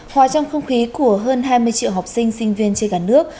hòa trong không khí của hơn hai mươi triệu học sinh sinh viên trên cả nước